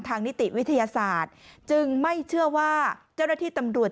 นิติวิทยาศาสตร์จึงไม่เชื่อว่าเจ้าหน้าที่ตำรวจ